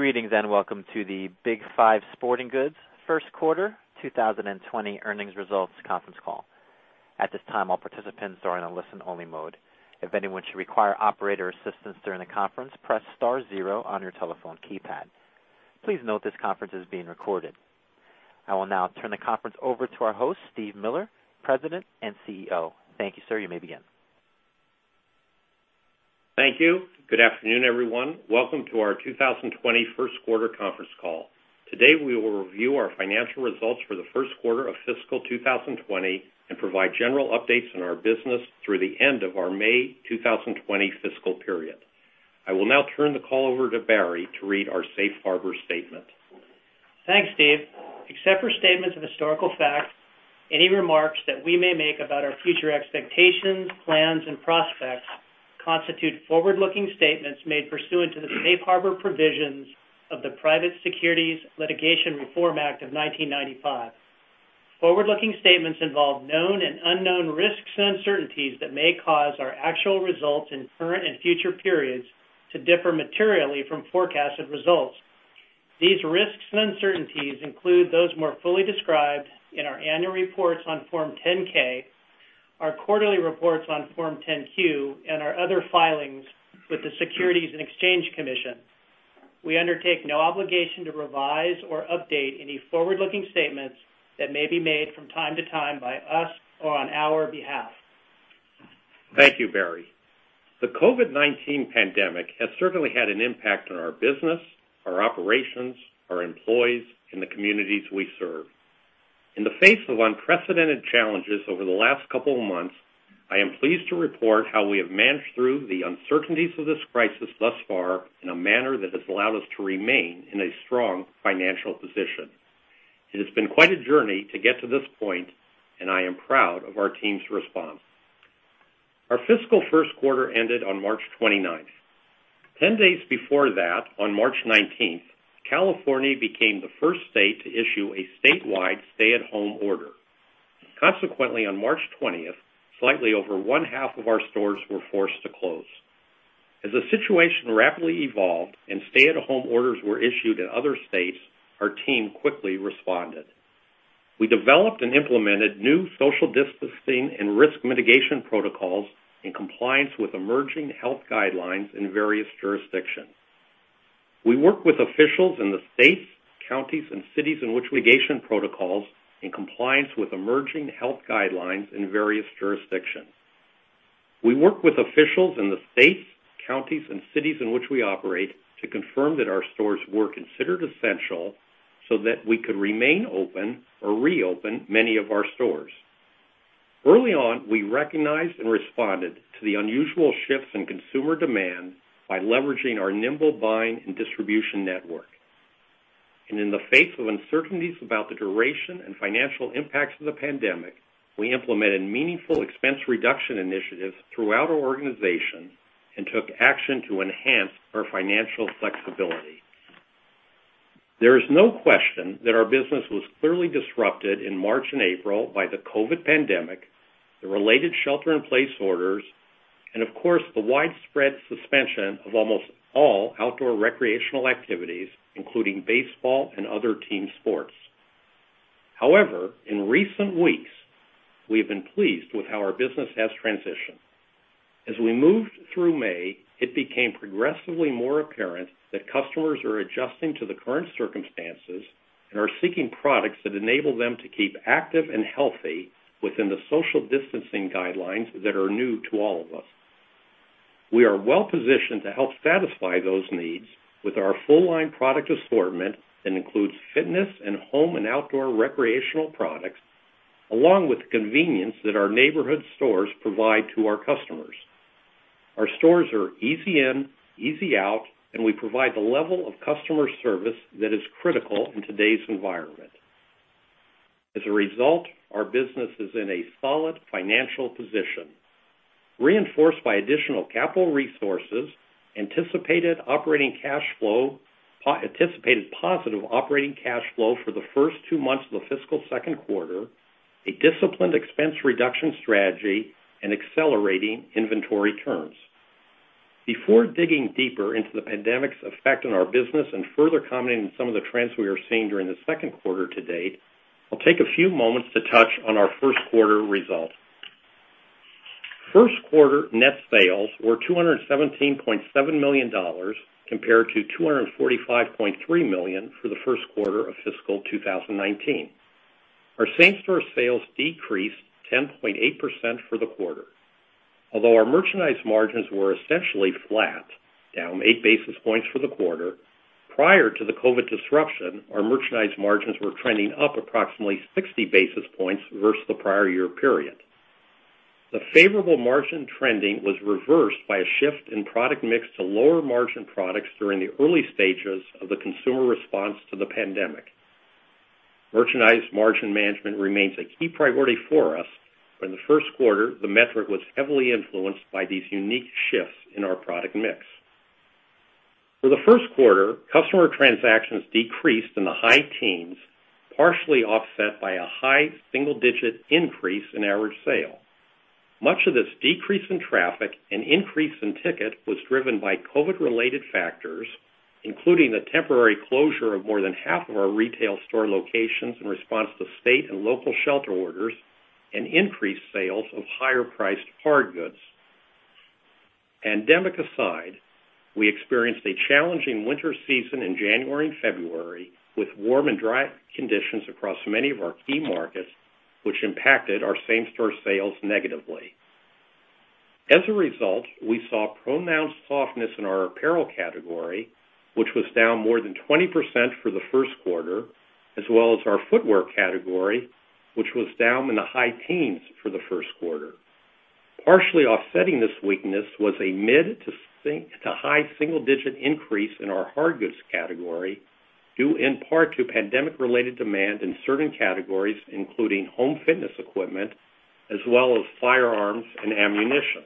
Greetings, and welcome to the Big Five Sporting Goods Q1 2020 earnings results conference call. At this time, all participants are in a listen-only mode. If anyone should require operator assistance during the conference, press star zero on your telephone keypad. Please note this conference is being recorded. I will now turn the conference over to our host, Steve Miller, President and CEO. Thank you, sir. You may begin. Thank you. Good afternoon, everyone. Welcome to our 2020 Q1 conference call. Today, we will review our financial results for the Q1 of fiscal 2020 and provide general updates on our business through the end of our May 2020 fiscal period. I will now turn the call over to Barry to read our safe harbor statement. Thanks, Steve. Except for statements of historical fact, any remarks that we may make about our future expectations, plans, and prospects constitute forward-looking statements made pursuant to the safe harbor provisions of the Private Securities Litigation Reform Act of 1995. Forward-looking statements involve known and unknown risks and uncertainties that may cause our actual results in current and future periods to differ materially from forecasted results. These risks and uncertainties include those more fully described in our annual reports on Form 10-K, our quarterly reports on Form 10-Q, and our other filings with the Securities and Exchange Commission. We undertake no obligation to revise or update any forward-looking statements that may be made from time to time by us or on our behalf. Thank you, Barry. The COVID-19 pandemic has certainly had an impact on our business, our operations, our employees, and the communities we serve. In the face of unprecedented challenges over the last two months, I am pleased to report how we have managed through the uncertainties of this crisis thus far in a manner that has allowed us to remain in a strong financial position. It has been quite a journey to get to this point, and I am proud of our team's response. Our fiscal Q1 ended on March 29th. 10 days before that, on March 19th, California became the first state to issue a statewide stay-at-home order. Consequently, on March 20th, slightly over one-half of our stores were forced to close. As the situation rapidly evolved and stay-at-home orders were issued in other states, our team quickly responded. We developed and implemented new social distancing and risk mitigation protocols in compliance with emerging health guidelines in various jurisdictions. We worked with officials in the states, counties, and cities in which mitigation protocols, in compliance with emerging health guidelines in various jurisdictions. We worked with officials in the states, counties, and cities in which we operate to confirm that our stores were considered essential so that we could remain open or reopen many of our stores. Early on, we recognized and responded to the unusual shifts in consumer demand by leveraging our nimble buying and distribution network. In the face of uncertainties about the duration and financial impacts of the pandemic, we implemented meaningful expense reduction initiatives throughout our organization and took action to enhance our financial flexibility. There is no question that our business was clearly disrupted in March and April by the COVID pandemic, the related shelter-in-place orders, and of course, the widespread suspension of almost all outdoor recreational activities, including baseball and other team sports. However, in recent weeks, we have been pleased with how our business has transitioned. As we moved through May, it became progressively more apparent that customers are adjusting to the current circumstances and are seeking products that enable them to keep active and healthy within the social distancing guidelines that are new to all of us. We are well positioned to help satisfy those needs with our full-line product assortment that includes fitness and home and outdoor recreational products, along with the convenience that our neighborhood stores provide to our customers. Our stores are easy in, easy out, and we provide the level of customer service that is critical in today's environment. As a result, our business is in a solid financial position, reinforced by additional capital resources, anticipated operating cash flow, and positive operating cash flow for the first two months of the fiscal Q2, a disciplined expense reduction strategy, and accelerating inventory turns. Before digging deeper into the pandemic's effect on our business and further commenting on some of the trends we are seeing during the Q2 to date, I'll take a few moments to touch on our Q1 results. Q1 net sales were $217.7 million compared to $245.3 million for the Q1 of fiscal 2019. Our same-store sales decreased 10.8% for the quarter. Although our merchandise margins were essentially flat, down eight basis points for the quarter, prior to the COVID disruption, our merchandise margins were trending up approximately 60 basis points versus the prior year period. The favorable margin trending was reversed by a shift in product mix to lower-margin products during the early stages of the consumer response to the pandemic. Merchandise margin management remains a key priority for us, but in the Q1, the metric was heavily influenced by these unique shifts in our product mix. For the Q1, customer transactions decreased in the high teens, partially offset by a high single-digit increase in average sale. Much of this decrease in traffic and increase in ticket was driven by COVID-related factors, including the temporary closure of more than half of our retail store locations in response to state and local shelter orders and increased sales of higher-priced hard goods. Pandemic aside, we experienced a challenging winter season in January and February with warm and dry conditions across many of our key markets, which impacted our same-store sales negatively. As a result, we saw pronounced softness in our apparel category, which was down more than 20% for the Q1, as well as our footwear category, which was down in the high teens for the Q1. Partially offsetting this weakness was a mid to high single-digit increase in our hard goods category, due in part to pandemic-related demand in certain categories, including home fitness equipment, as well as firearms and ammunition.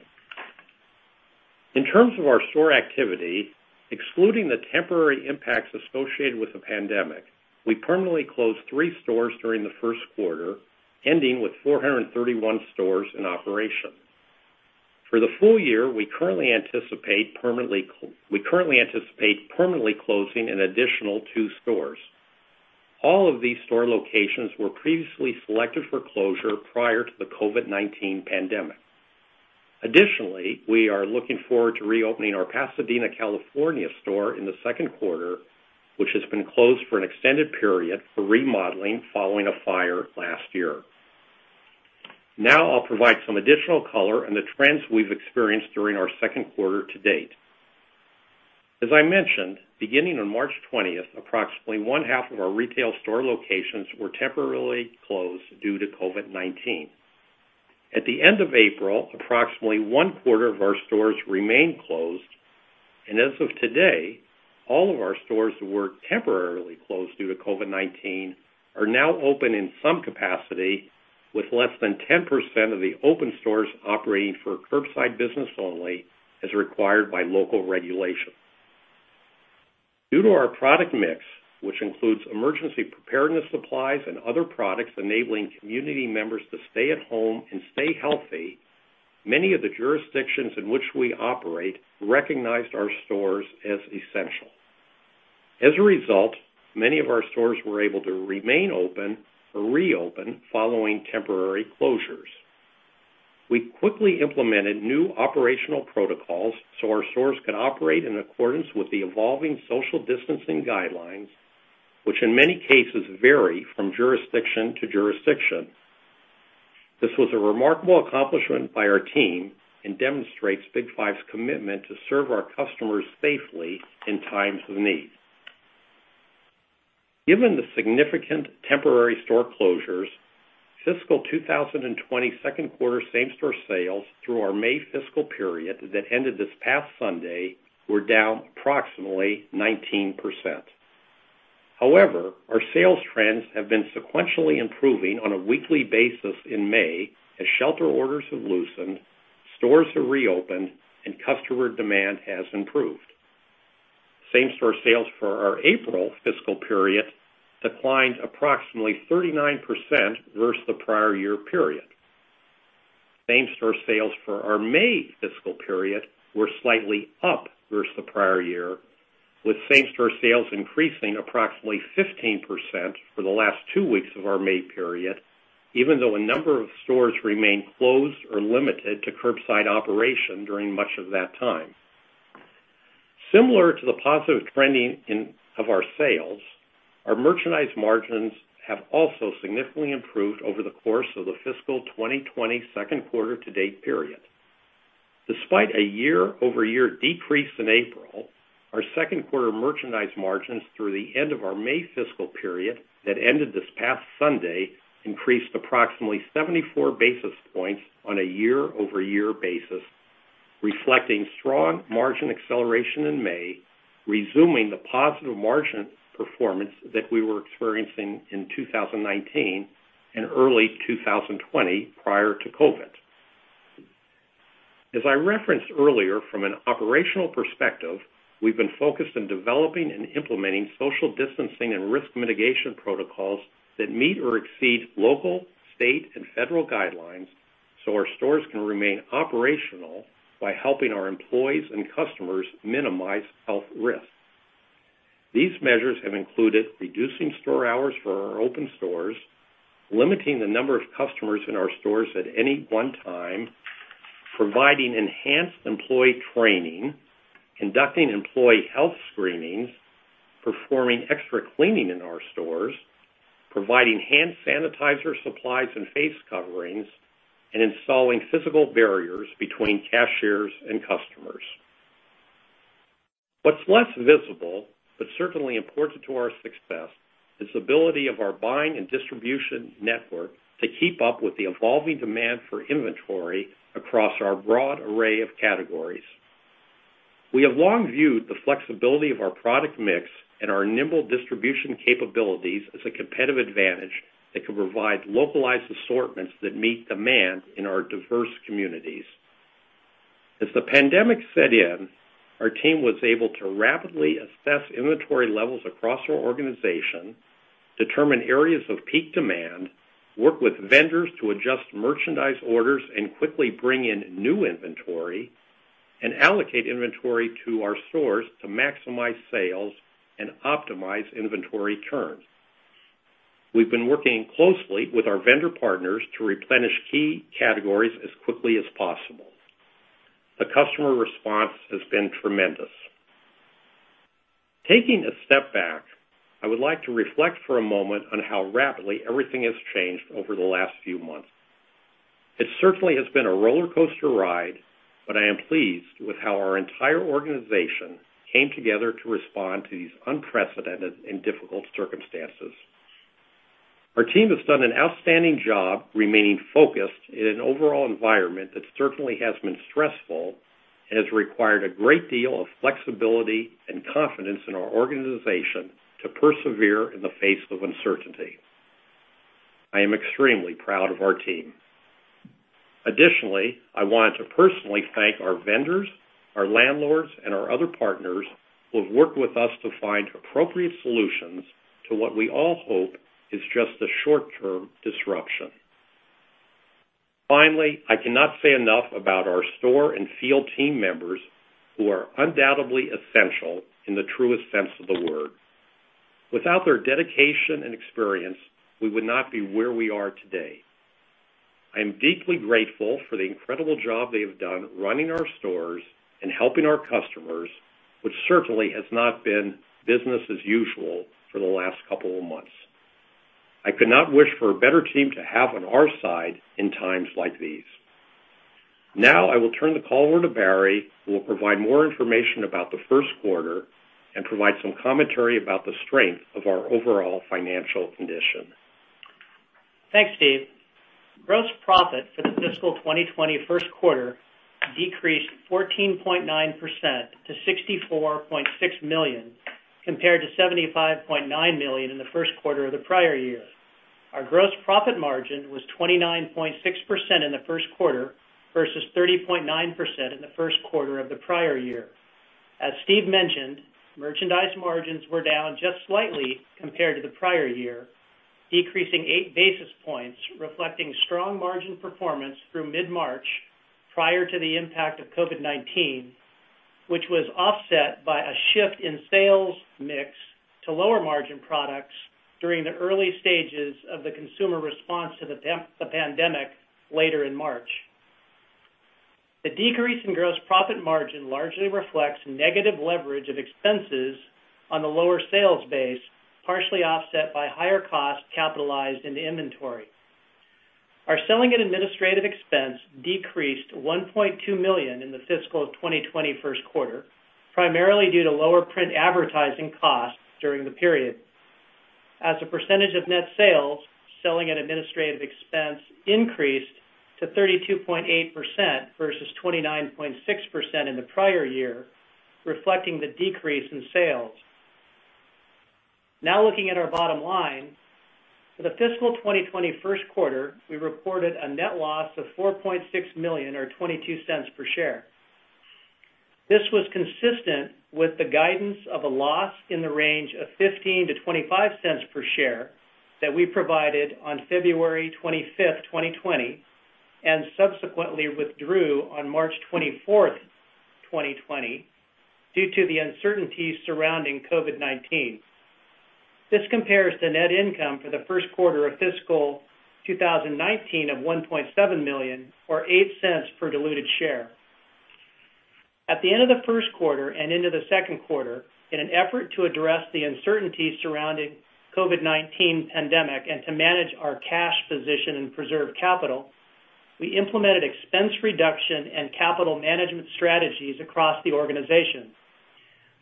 In terms of our store activity, excluding the temporary impacts associated with the pandemic, we permanently closed three stores during the Q1, ending with 431 stores in operation. For the full year, we currently anticipate permanently closing an additional two stores. All of these store locations were previously selected for closure prior to the COVID-19 pandemic. Additionally, we are looking forward to reopening our Pasadena, California store in the Q2, which has been closed for an extended period for remodeling following a fire last year. Now I'll provide some additional color on the trends we've experienced during our Q2 to date. As I mentioned, beginning on March 20th, approximately one-half of our retail store locations were temporarily closed due to COVID-19. At the end of April, approximately one-quarter of our stores remained closed, and as of today, all of our stores that were temporarily closed due to COVID-19 are now open in some capacity with less than 10% of the open stores operating for curbside business only, as required by local regulation. Due to our product mix, which includes emergency preparedness supplies and other products enabling community members to stay at home and stay healthy, many of the jurisdictions in which we operate recognized our stores as essential. As a result, many of our stores were able to remain open or reopen following temporary closures. We quickly implemented new operational protocols so our stores could operate in accordance with the evolving social distancing guidelines, which in many cases vary from jurisdiction to jurisdiction. This was a remarkable accomplishment by our team and demonstrates Big Five's commitment to serve our customers safely in times of need. Given the significant temporary store closures, fiscal 2020 Q2 same-store sales through our May fiscal period that ended this past Sunday were down approximately 19%. However, our sales trends have been sequentially improving on a weekly basis in May as shelter orders have loosened, stores have reopened, and customer demand has improved. Same-store sales for our April fiscal period declined approximately 39% versus the prior year period. Same-store sales for our May fiscal period were slightly up versus the prior year, with same-store sales increasing approximately 15% for the last two weeks of our May period, even though a number of stores remained closed or limited to curbside operation during much of that time. Similar to the positive trending of our sales, our merchandise margins have also significantly improved over the course of the fiscal 2020 Q2 to date period. Despite a year-over-year decrease in April, our Q2 merchandise margins through the end of our May fiscal period that ended this past Sunday increased approximately 74 basis points on a year-over-year basis, reflecting strong margin acceleration in May, resuming the positive margin performance that we were experiencing in 2019 and early 2020 prior to COVID. As I referenced earlier, from an operational perspective, we've been focused on developing and implementing social distancing and risk mitigation protocols that meet or exceed local, state, and federal guidelines so our stores can remain operational by helping our employees and customers minimize health risks. These measures have included reducing store hours for our open stores, limiting the number of customers in our stores at any one time, providing enhanced employee training, conducting employee health screenings, performing extra cleaning in our stores, providing hand sanitizer supplies and face coverings, and installing physical barriers between cashiers and customers. What's less visible, but certainly important to our success, is the ability of our buying and distribution network to keep up with the evolving demand for inventory across our broad array of categories. We have long viewed the flexibility of our product mix and our nimble distribution capabilities as a competitive advantage that can provide localized assortments that meet demand in our diverse communities. As the pandemic set in, our team was able to rapidly assess inventory levels across our organization, determine areas of peak demand, work with vendors to adjust merchandise orders, and quickly bring in new inventory, and allocate inventory to our stores to maximize sales and optimize inventory turns. We've been working closely with our vendor partners to replenish key categories as quickly as possible. The customer response has been tremendous. Taking a step back, I would like to reflect for a moment on how rapidly everything has changed over the last few months. It certainly has been a roller coaster ride, but I am pleased with how our entire organization came together to respond to these unprecedented and difficult circumstances. Our team has done an outstanding job remaining focused in an overall environment that certainly has been stressful and has required a great deal of flexibility and confidence in our organization to persevere in the face of uncertainty. I am extremely proud of our team. Additionally, I want to personally thank our vendors, our landlords, and our other partners who have worked with us to find appropriate solutions to what we all hope is just a short-term disruption. Finally, I cannot say enough about our store and field team members, who are undoubtedly essential in the truest sense of the word. Without their dedication and experience, we would not be where we are today. I am deeply grateful for the incredible job they have done running our stores and helping our customers, which certainly has not been business as usual for the last couple of months. I could not wish for a better team to have on our side in times like these. Now I will turn the call over to Barry, who will provide more information about the Q1 and provide some commentary about the strength of our overall financial condition. Thanks, Steve. Gross profit for the fiscal 2020 Q1 decreased 14.9% to $64.6 million, compared to $75.9 million in the Q1 of the prior year. Our gross profit margin was 29.6% in the Q1 versus 30.9% in the Q1 of the prior year. As Steve mentioned, merchandise margins were down just slightly compared to the prior year, decreasing eight basis points, reflecting strong margin performance through mid-March prior to the impact of COVID-19, which was offset by a shift in sales mix to lower margin products during the early stages of the consumer response to the pandemic later in March. The decrease in gross profit margin largely reflects negative leverage of expenses on the lower sales base, partially offset by higher costs capitalized into inventory. Our selling and administrative expense decreased $1.2 million in the fiscal 2020 Q1, primarily due to lower print advertising costs during the period. As a percentage of net sales, selling and administrative expense increased to 32.8% versus 29.6% in the prior year, reflecting the decrease in sales. Looking at our bottom line. For the fiscal 2020 Q1, we reported a net loss of $4.6 million or $0.22 per share. This was consistent with the guidance of a loss in the range of $0.15 to $0.25 per share that we provided on February 25th, 2020, and subsequently withdrew on March 24th, 2020, due to the uncertainty surrounding COVID-19. This compares to net income for the Q1 of fiscal 2019 of $1.7 million or $0.08 per diluted share. At the end of the Q1 and into the Q2, in an effort to address the uncertainty surrounding COVID-19 pandemic and to manage our cash position and preserve capital, we implemented expense reduction and capital management strategies across the organization.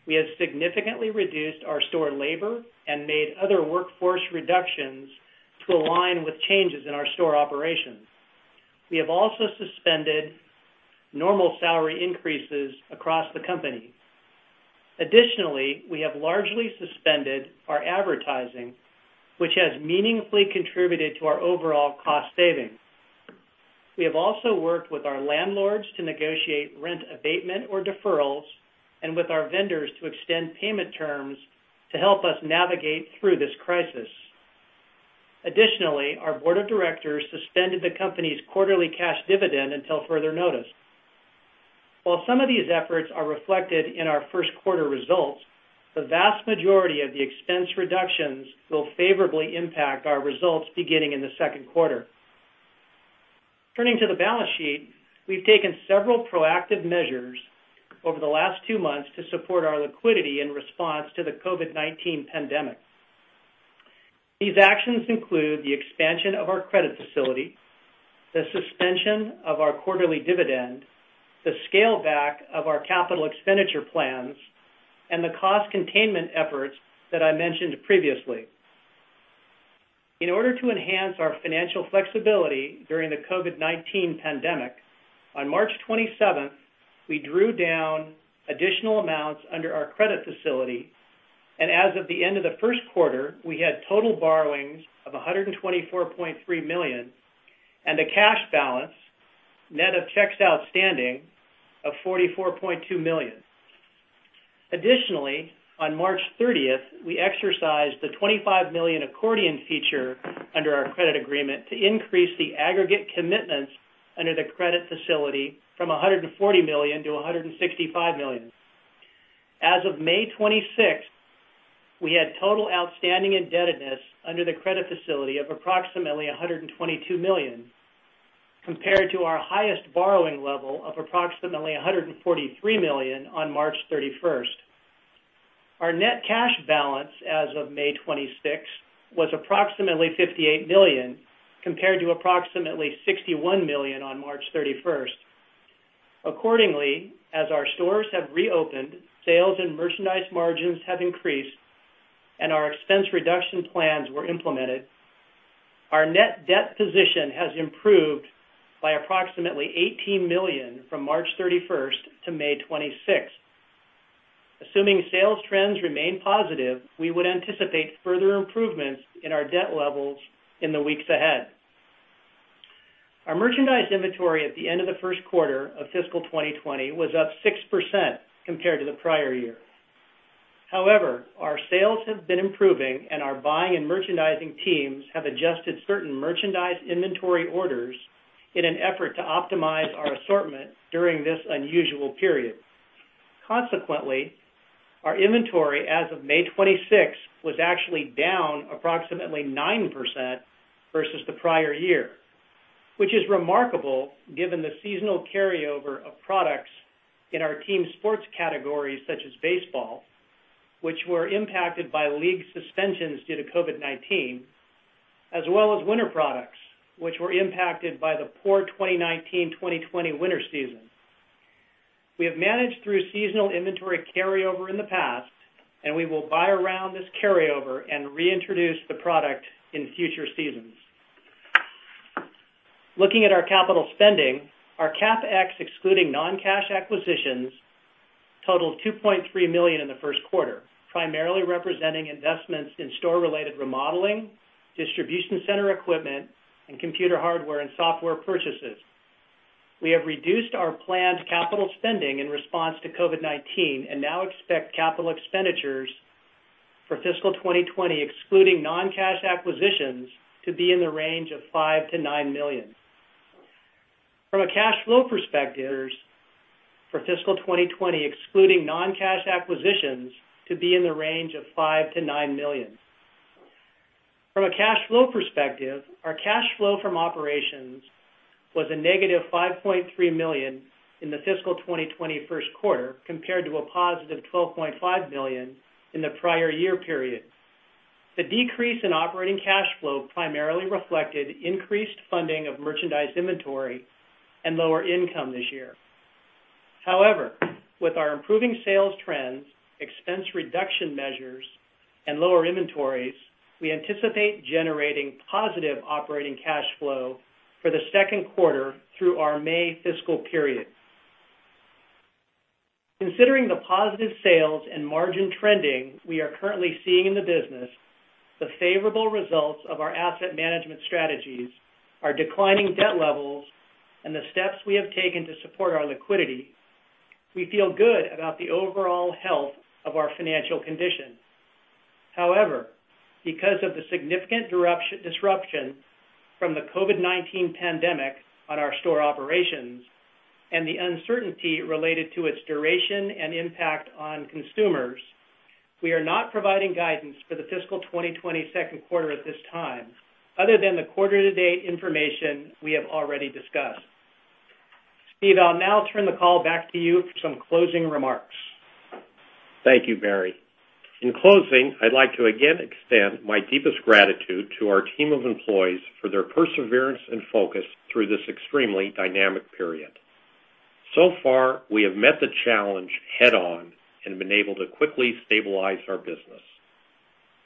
We have significantly reduced our store labor and made other workforce reductions to align with changes in our store operations. We have also suspended normal salary increases across the company. Additionally, we have largely suspended our advertising, which has meaningfully contributed to our overall cost savings. We have also worked with our landlords to negotiate rent abatement or deferrals, and with our vendors to extend payment terms to help us navigate through this crisis. Additionally, our board of directors suspended the company's quarterly cash dividend until further notice. While some of these efforts are reflected in our Q1 results, the vast majority of the expense reductions will favorably impact our results beginning in the Q2. Turning to the balance sheet, we've taken several proactive measures over the last two months to support our liquidity in response to the COVID-19 pandemic. These actions include the expansion of our credit facility, the suspension of our quarterly dividend, the scale back of our capital expenditure plans, and the cost containment efforts that I mentioned previously. In order to enhance our financial flexibility during the COVID-19 pandemic, on March 27th, we drew down additional amounts under our credit facility. As of the end of the Q1, we had total borrowings of $124.3 million, and a cash balance, net of checks outstanding, of $44.2 million. Additionally, on March 30th, we exercised the $25 million accordion feature under our credit agreement to increase the aggregate commitments under the credit facility from $140 million to $165 million. As of May 26th, we had total outstanding indebtedness under the credit facility of approximately $122 million, compared to our highest borrowing level of approximately $143 million on March 31st. Our net cash balance as of May 26th was approximately $58 million, compared to approximately $61 million on March 31st. Accordingly, as our stores have reopened, sales and merchandise margins have increased, and our expense reduction plans were implemented, our net debt position has improved by approximately $18 million from March 31st to May 26th. Assuming sales trends remain positive, we would anticipate further improvements in our debt levels in the weeks ahead. Our merchandise inventory at the end of the Q1 of fiscal 2020 was up 6% compared to the prior year. However, our sales have been improving, and our buying and merchandising teams have adjusted certain merchandise inventory orders in an effort to optimize our assortment during this unusual period. Consequently, our inventory as of May 26th was actually down approximately 9% versus the prior year, which is remarkable given the seasonal carryover of products in our team sports categories such as baseball, which were impacted by league suspensions due to COVID-19, as well as winter products, which were impacted by the poor 2019 to 2020 winter season. We have managed through seasonal inventory carryover in the past, and we will buy around this carryover and reintroduce the product in future seasons. Looking at our capital spending, our CapEx, excluding non-cash acquisitions, totaled $2.3 million in the Q1, primarily representing investments in store-related remodeling, distribution center equipment, and computer hardware and software purchases. We have reduced our planned capital spending in response to COVID-19 and now expect capital expenditures for fiscal 2020, excluding non-cash acquisitions, to be in the range of $5 million to $9 million. From a cash flow perspective, for fiscal 2020 excluding non-cash acquisitions, to be in the range of $5 million to $9 million. From a cash flow perspective, our cash flow from operations was a negative $5.3 million in the fiscal 2020 Q1 compared to a positive $12.5 million in the prior year period. The decrease in operating cash flow primarily reflected increased funding of merchandise inventory and lower income this year. However, with our improving sales trends, expense reduction measures, and lower inventories, we anticipate generating positive operating cash flow for the Q2 through our May fiscal period. Considering the positive sales and margin trending we are currently seeing in the business, the favorable results of our asset management strategies, our declining debt levels, and the steps we have taken to support our liquidity, we feel good about the overall health of our financial condition. However, because of the significant disruption from the COVID-19 pandemic on our store operations and the uncertainty related to its duration and impact on consumers, we are not providing guidance for the fiscal 2020 Q2 at this time, other than the quarter to date information we have already discussed. Steve, I'll now turn the call back to you for some closing remarks. Thank you, Barry. In closing I'd like to again extend my deepest gratitude to our team of employees for their perseverance and focus through this extremely dynamic period. So far we have met the challenge head-on and been able to quickly stabilize our business.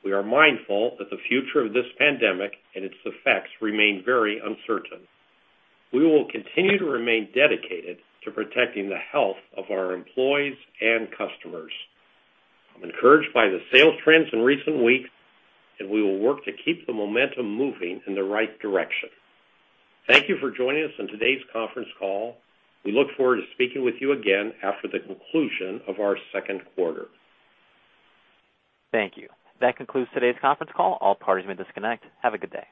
We are mindful that the future of this pandemic and its effects remain very uncertain. We will continue to remain dedicated to protecting the health of our employees and customers. I'm encouraged by the sales trends in recent weeks, we will work to keep the momentum moving in the right direction. Thank you for joining us on today's conference call. We look forward to speaking with you again after the conclusion of our Q2. Thank you. That concludes today's conference call. All parties may disconnect. Have a good day.